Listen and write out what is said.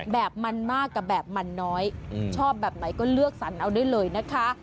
แบบมันมากกับแบบมันน้อยชอบแบบไหนก็เลือกสรรเอาได้เลยนะคะ